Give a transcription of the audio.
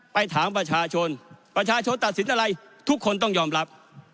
ไปถามประชาชนประชาชนตัดสินอะไรทุกคนต้องยอมรับ